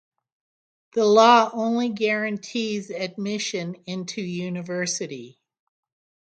The law only guarantees "admission" into university.